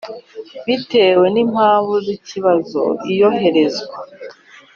Bitewe n impamvu z ikibazo iyoherezwa